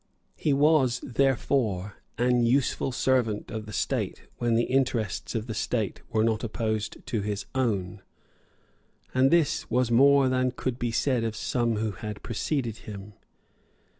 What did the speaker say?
He was therefore an useful servant of the state when the interests of the state were not opposed to his own; and this was more than could be said of some who had preceded him.